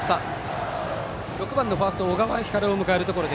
６番のファースト小川輝を迎えるところ。